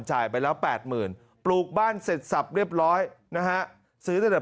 จ่ายไปแล้ว๘๐๐๐๐ปลูกบ้านเสร็จสรรพเรียบร้อยนะฮะซื้อแต่แต่